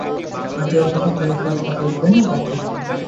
আজও অন্ধকারে কথা বলবে, না বাতি জ্বালানো থাকবে?